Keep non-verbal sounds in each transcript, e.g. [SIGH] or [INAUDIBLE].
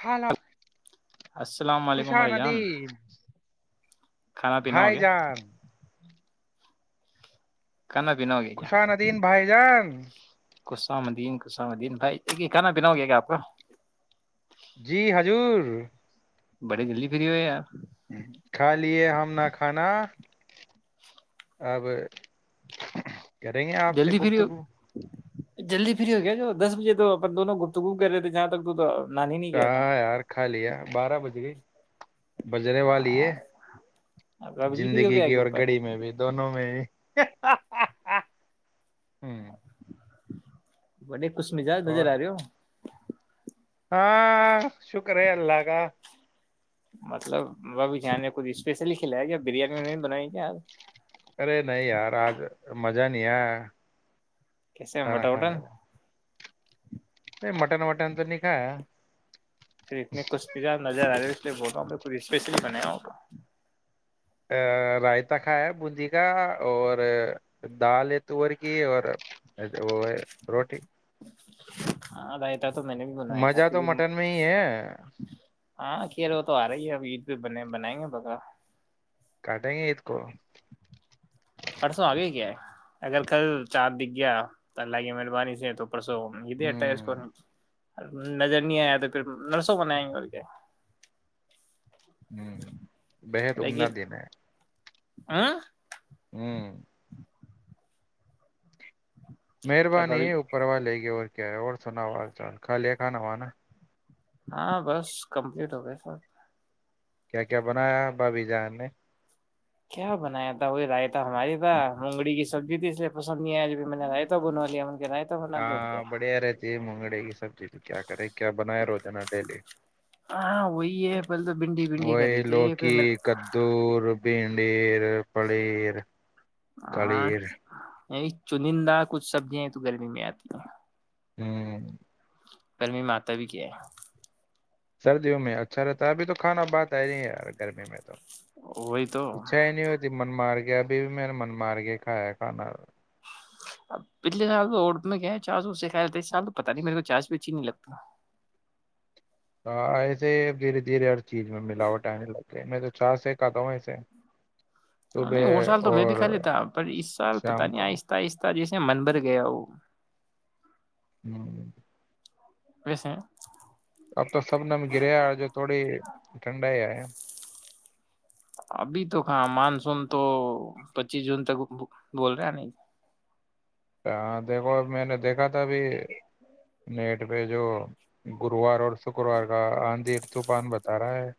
حال السلام علیکم خوشا بھائی ندی جان کھانا پینا ہو بھائی گیا جان کھانا پینا ہو گیا خوشاندین بھائی جان ام م الدین ام الدین بھائی یہ کھانا پنا ہو گیا کیا آپ کا جی ہضور بڑے جلدی فری ہوئے آ کھا لیے ہم نہ کھانا اب کریں گے آپ سے جلدی فری ہو گپتگو جلدی فری ہو گیا جو دس بجے تو اپن دونوں گفتگپ کر رہے تھے جہاں تک تو نان ہی نہیں گیا تھا ہاں یار خالی ہے بارہ بج گئی بجرے والی ہے بابو جی فری ہو زندگی گیا کی کے اور اوپر گڑی میں بھی دونوں میں بھی ہ ہ ہوں بڑی اس مزاج نظر اور آ رہی ہو ہاں شکر ہے اللہ کا مطلب وہ ابھی جان کچھ اسپیشلی کھلایا کیا بریانی میں بنائی کیایار جانی آ کیسے بٹا وٹن مٹن مٹن تو نہیں کا پھر اتنی کچشبچار نظر آ رہی ب ک اسپیشلی بنایا ہوگا ا رائتا کھایا بندی کا اور دال ہے تور کی اور وہ ہے روٹی ہاںگائے تو میں نے بھی بنایا تھا مزہ تو کیکہ مٹن میں ہی ہے ہاں وہ تو آ رہای ہے اب عید پہ بنے بنائیں گے بکا بیٹیں گے عید کو پرسوں آگے کیا ہے اگر کل چارد دکھ گیا تو اللہ کی مہربانی سے تو اڑسوٹاس کو ہوں نظر نہیں آیا تو پھر نرسوں کونئیں گے اور کیا ہوں بےحد عمدہ دن ہے ہاں ہوں کیا مہربانی بھابھی ہے اوپروا لے کے اور کیا اور سنا ہوا چان کا لے کھانا ہو نا ہاں بس کمپلیٹ ہو گئے سب کیا کیا بنایا بھابی جان نے کیا بنایا تھا وہی رائےتا ہماری تھا مگڑی کی سبزی تھی اس لیے س نہیںجب میں نے رائے تو بنو لیا م گ نہیںائے تو بنا د اٹ ہاں کیا بڑھیا رہتی ہے مونگڑے کی سبزی کیا کرے کیا بنائے روزانہ ڈیلی ہاں وہی ہے پہلے تو بھنڈی بھنڈی کری وہی تھی لوکی پھر کدور بین پلییر پلییر ابہار کی اوج عا رہی ہے چنندہ کچھ سبزیاں تو گرمی میں آتی ہیں ہاں پرمی ماتا بھی کیا ہے سردیوں میں اچھا رہتا ہے ابھی تو کھانا بات ہے نہیں ہے یار گرمی میں تو وہی تو اچھا ہی نہیں ہوتی من م آر گیا بی بھی میر نے من مار کے کھایا کھانا پلے ج تو ام کیا چاس اس سے کیالتاح تو پتاہ نہیں میرے کو چاس بھی اچھی نہیں لگتا ہ ایسے اب دھیرے دھیرے ہر چیز میں ملاوٹ آنے لگتی میں تو چا سے کہا ہوں ایسے صبح نہیں اور سال تو میں بھی اور کا لیتا پر اس سال پتا شام نہیں کو آہستہ آہستہ جیسے من بھر گیا ہو ہوں ویسے ہیں اب تو سب نے میں گریا ہے جو تھوڑی ٹھنڈا ہی آ ہے ابھی تواں مانسون تو پچیس جون تک بول رہا نہیں ہ دیکھو اب میں نے دیکھا تھابھی نیٹ پہ جو گروار اور شکروار کا آندھییر طوفان بتا رہا ہے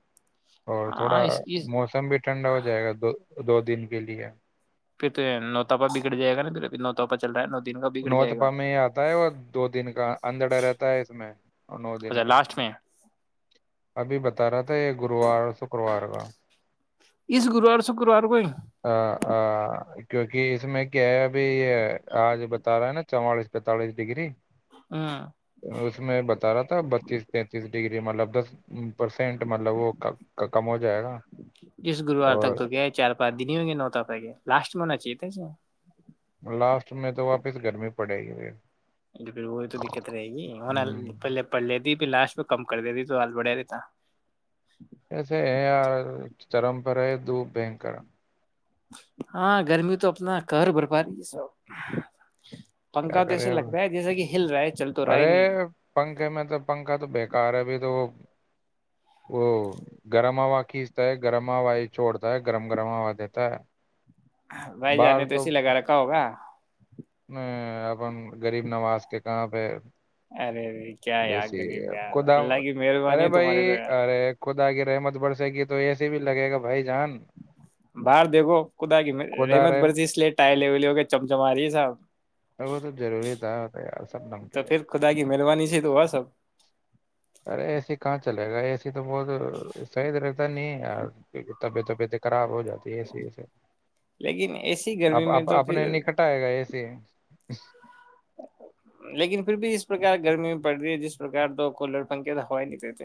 اور تھوڑا ہاں اس اس موسم بھی ٹھنڈا ہو جائے گا دو دو دن کے لیے پھر تو یہ نوتا پا بگڑ جائے گا پھربھی نو دن کا بگڑ جائے نوتفا گا میں ہی آتا ہے وہ دو دن کا اندھڑا رہتا ہے اس میں نو دن اچھا میں لاسٹ ابھی بتا رہا تھا یہ گرووار شکروار کا اس گروار شکروار کوئی آ، آ، کیونکہ اس میں کیا ب یہ آج بتا رہا ہے نا چوالیس پینتالیس ڈگری ہ اس میں بتا رہا تھا بتیس تینتیس ڈگری مطلب دس پرسینٹ مطلب وہ کم ہو ج جس گروار تک تو گیا چار پانچ دن ہی ہوں گے نوتا پ گ لاسٹ منا چاہتے س لاسٹ میں تو واپس گرمی پڑے گی پھر پھر وہی تو دقت رہے گی ہو نا ہ پلے پڑلے لاسٹ میں کم کر دیتی تو آات بڑھیا رہتا ایسے ہے یار چرم پر ہے د بنکر ہاں گرمی تو اپنا کر برپ رہ یہ سب کیا پنکھا تو کرے ایسے لگتا ہے جیسا کہ ہل رہا ہے چل تو رہا ہی ارے نہیں ہے پنکھے میں تو پنکھا تو بےیکار ہے تو وہ وہ گرم ہوا کھینچتا ہے گرم ہوا یہ چھوڑتا ہے گرم گرم ہوا دیتا ہے بھائی جانے تو اسی لگا رکھا ہوگا میں اپن غریب نواز کے کہاں پہ ارے ارے کیا یار ایسی غریب یار خدا اللہ کی مہربانی ہے تمہاری تو یار آ گ رحمت بڑھے گی تو ایسے بھی لگےا بھائی جان باہر دیکھو خدا کی خدا رحمت رحم برسی اس لیے ٹائل ول ہو کے چمچما رہی ہے سب ا وہ تو ضروری تھا یار سب لگ کے تو لیے پھر خدا کی مہربانی سے تو ہوا سب ارے اے سی کہاں چلے گا اے سی تو بہت صیید رہتا نہیں یارک طبعتبت خراب جاتی ایسے ایے لیکن ایسی گرمی اب میں تو اپنے پھر نکھٹائے گا ایسے ج ہ لیکن پھر بھی جس پرکار گرمی پڑ رہی ہے جس پرک تو کولر پنکھے تو ہوا ہی نہیں رہتی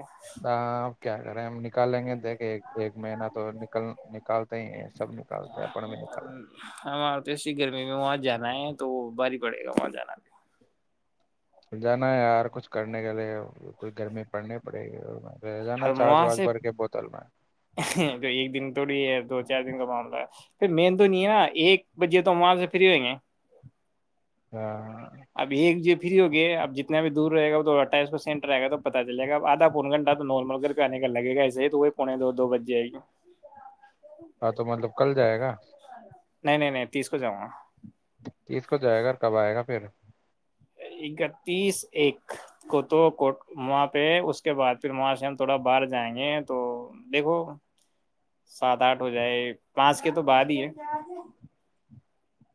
ہاں آپ کیا کریں لیں گے دیک ایک مہینہ تو نکل نکالتے ہی ہیں سب نکالتے ہیں اپن بھی نکال رہ ہیں ہمارا تو بڑے گا وہاں جانا بھی جانا ہے یار کچھ کرنے کے لیے کوئی گرمی پڑنی پڑے گی اور رہ ہ جانا چارج وہاں واج سے بھر کے بوتل میں جو ایک دن توڑی ہے دو چار دن کا مع پھر مین تو نہیں ہے نا ایک بجے تو وہاں سے فری ہویں گے ہاں اب ایک ج فری ہوگیا اب جتنا بھی دور رہے گا وہ تو اٹھائیس پرسینٹ رہے گا تو پتا چلے گا آدھا پون گھنٹہ تو نارمل کر کے آنے کا لگے گا ایے ہی تو وہ پونے دو بج جائے گی ہاں تو مطلب کل جائے گا نہیں نہیں نہیں تیس کو جاؤں گا اسیس کو جائے گا اور کب آئے گا پھر اکتیس ایک کو تو کوٹ وہاں پہ اس کے بعد پھر وہاں سے ہم تھوڑا باہر جائیں گے تو دیکھو سات آٹھ ہو جائے پانچ کے تو بعد ہی ہے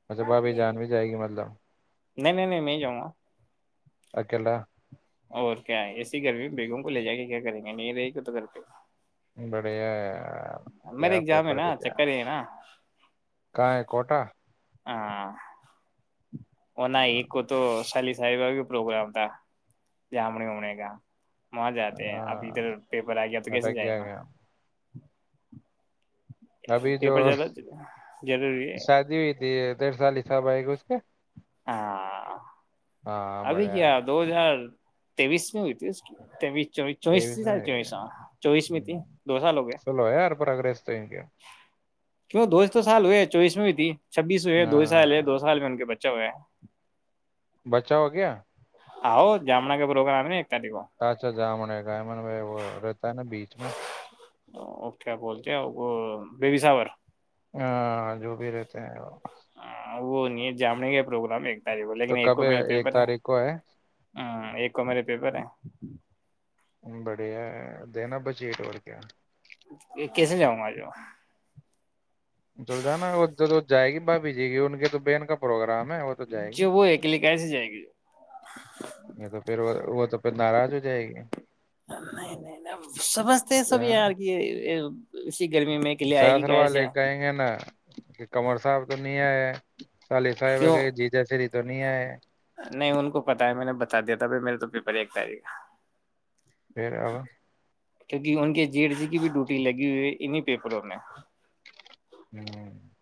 اچھا بھابھی جان بھی جائے گی مطلب نہیں نہیں نہیں میں ہی جاؤں گا اکلاا اور کیا ہے اس گمی بیگوں کو ل جائے گ کیا کریں گے میں رہی کت کرپ ان بڑے ا میر ایک جام ہے نا چکر یہ ہے نا کہاں ہے کوٹا ہاں وہ نہ ہاں ایک کو تو سالس پروگرام تھا جامنےے ہو کا وہاں جاتے ہیں اب ادھر پیپر آ گیا تو کیسے اٹک جائے گیا گا گیا ابھی جو پیپر زیادہ ضروری ہے شادی ہوئی تھی ڈڑ سالسب ب آ ہاں ہاں ابھی بڑھیا کیا دو ہزار توس م ہوئیتی تس چس چوس ت سر چوس ہاں چوبیس میں تھی دو سال ہو گئے پرریس تھینک یو کیوں دوز تو سال ہوئے چوبس میں بھی تھی چھبیس ہو ہے دو سال ہے دو سال میں ان کے بچہ ہوئے ہے بچا ہو گیا آؤ جامن کے پروگرا آ اچھا جامن ہے گ ایمن میں وہ رہتا ہے نا بیچ میں بیبساور ہاں جو بھی رہتے ہیں وہ وہ نہیں جامنےے کا پروگرام ایک ب لیک تو ایک کب ہے میرے ایک پیپر ہے تاریخ کو ہ ایک کو میرے پیپر ہے بڑھیا دینا بچےٹ بور کیا کیسے جاؤں مار جؤ جل جانا وہ ج جائے گی بھابھی جی کی ان کے تو بہن کا پروگرام ہے وہ تو جائے گی جو وہ اکلے کیسے جائے گی یہ تو پھر وہ وہ تو پھر ناراض ہو جائے گی نہیں نہیں سمجھتے ہیں سب یار کی [UNINTELLIGIBLE] سہسروا لے آئیں گے نا کمر صاحب تو نہیں آئے چلے کیوں صاحبے جی جیسےی دنیا نہیں ان کو پتا ہے میں نے بتا دیا تھا بائی میرے تو پیپر ہی ایک تاریخ پھر اب [UNINTELLIGIBLE] کیونکہ ان کے جی ایڈ سی کی بھی ڈیوٹی لگی ہوئی ہے انیں پیپروں میں ہوں [UNINTELLIGIBLE]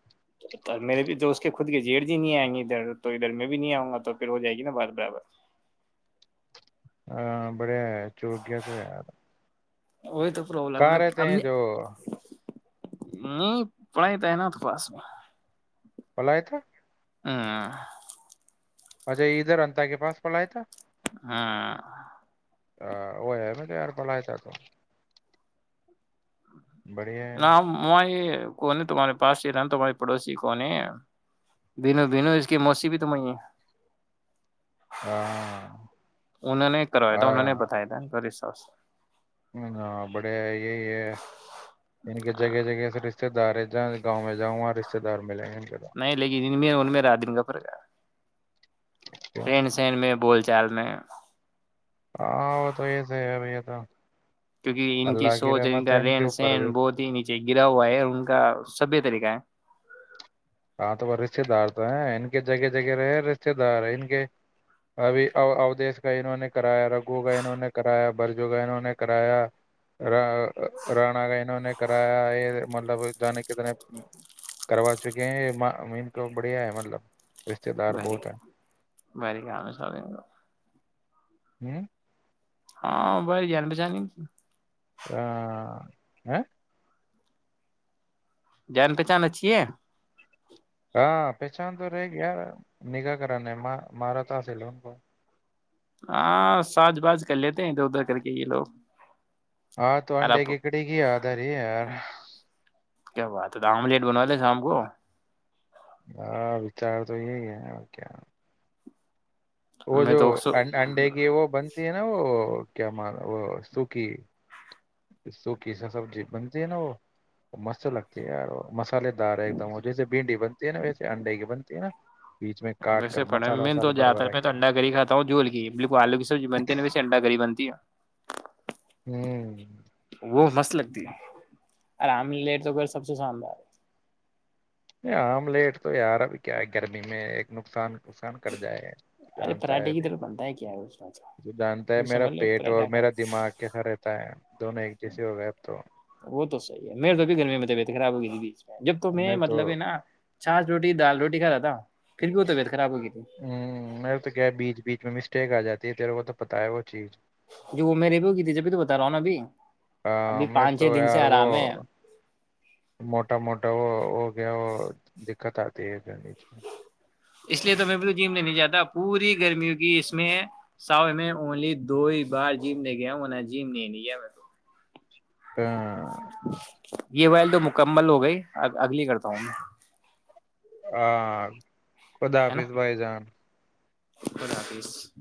میرے بھی تو اس کے خود کی جییر ج ہی نہیں آئیں گی ادھر تو ادھر میں بھی نہیں آؤں گا تو پھر ہو جائے گی نا بار برابر ہاں بڑے چو گیا سےار وہی تو پرابلم ہے کہاں نا رہتے اب ہیں جو [UNINTELLIGIBLE] نہیں پڑھائی تو ہے نا تو پاس میں بلا ہے تھا [UNINTELLIGIBLE] ہ [UNINTELLIGIBLE] اچھا ادھر انتا کے پاس پلایا تھا [UNINTELLIGIBLE] ہاں [UNINTELLIGIBLE] ا وہ ہے میں تو یار بل ہے تھا تو بڑھیا ہے نہ م میں [UNINTELLIGIBLE] کون تمہارے پاس ہی رہ تمہارے پڑوسی کون ہے بینو بینو اس کی موسی بھی تمیں ہاں [UNINTELLIGIBLE] انوں نے کروایا تھا انہوں نے بتایا تھا ان کا ر بس [UNINTELLIGIBLE] ہاں بڑے یہی ہے ان کے جگہ جگہ سے رشتے دار ہے [UNINTELLIGIBLE] ج گاؤں میں [UNINTELLIGIBLE] دار ملیں گے ان کے تو نہیں لیکن ما دن کا پھر گیا [UNINTELLIGIBLE] کیوں؟ رن سن میں بول چ [UNINTELLIGIBLE] چل میں [UNINTELLIGIBLE] ہاں وہ تو یہس ہے بھیا تھا کیونکہ ان کی سوچ ان کا کے رہن اوپر سہن بھی بہت ہی نیچے گرا ہوا ہے ان کا سبھی طریقہ ہے ہاں تو وہ رشتے دار تو ہیں ان کے جگہ جگہ رہے رشتے دار ان کے ابھی اوودیش کا انہوں نے کرایا رگو کا انہوں نے کرایا برجو کا انہوں نے کرایا رناا کا انہوں نے کرایا یہ مطلب جانے کتنے کروا چکی یہ مین تو بڑھیا ہے مطلب [UNINTELLIGIBLE] ب بہت ہے بکام سم [UNINTELLIGIBLE] ہوں [UNINTELLIGIBLE] ہاں بائی جان پچانی آ ہ [UNINTELLIGIBLE] جان پہچان اچھیے ہاں پہچان تو رہے گ ار نگا کراننے مار تو آےل ان کو ہاں سج باز کر لیتے ہیں ادھر ادھر کر کے یہ لوگ ہاں تو ار انڈے آپ گ کڑ گیاد رے یار کیا بات ہے تو آملیٹ بنوا دے شام کو ہاں وچار تو یہ ہے کیا [UNINTELLIGIBLE] وہ میں جو تو انڈے کی وہ بنتی ہے نا وہ کیا مان وہ سوک [UNINTELLIGIBLE] سو کی س سبی بنتی ہے نا وہ مست لگتی ہے یار مست [UNINTELLIGIBLE] مسالے دار ہے ایک دم وہ جیس بھنڈی ب [UNINTELLIGIBLE] تے ہیں نا ویسے انڈے کی بنتی ہیں نا بیچ میں کاٹ ویس کر پڑھا مسالہ میں وسالہ تو بھر جیاا بھرا کے تو انڈا گی کھاتا ہوں جول کی بک آلو کی سب بنتی ویسے انڈا گی بنتی ہے ہوں وہ مست لگتی ہے ارام تو سب سے شاندار یہ آملیٹ تو یار ابھی کیا ہے گرمی میں ایک نقصان نقصان کٹ جائے ارے جانتا ہے پراٹھے کی ابھی طرف بنتا ہے کیا ہے اس میں تو جو جانتا ہے میرا سمجھ لو ایک پیٹ اور پراٹھا کا میرا دماغ کیسا رہتا ہے دونوں ایک جیسے ہو گئے اب تو وہ تو صحی ہے میرے توب گرمی میں طبیعت خراب ہو گئی تھی بیچ میں جب تو میں مطلب ہے نا چاچ روٹی دال روٹی کھ رہا تھا پھر کیوں ہوتا پتے ہوں میں تو گیا بیچ بیچ میں م ٹیک آ جاتی ہے تیرے کو تو پتاہ ہے وہ چیز جو وہ میرے بھی ہوگئی تھی جبھی تو بتا رہا ہوں نا ابھی ہ ابھی م پانچ چھ تو دن سے یار وہ آرام ہے موٹا موٹا وہ ہو گیا وہ کتا ت جنیچ اس لیے تو میں بھی جم نہیں نہیں جاتا پوری گرمی کی اس میں ساؤ میں اونلی دو ہی بار جم ل گیا جم نہیں ل گیا میں ہ یہ ول تو مکمل ہو گئی اگلی کرتا ہوں میں ہاں خدا حافظ بھائی جان دفظ